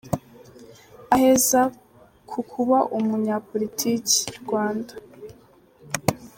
Aheza ku kuba umunya politiki : Rwanda.